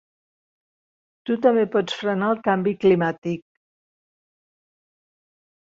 Tu també pots frenar el canvi climàtic.